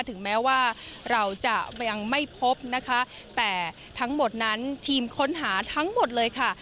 ถึงแม้ว่าเราจะยังไม่พบนะคะแต่ทั้งหมดนั้นทีมค้นหาทั้งหมดเลยค่ะ